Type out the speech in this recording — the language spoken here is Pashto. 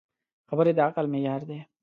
خبرې د عقل معیار دي.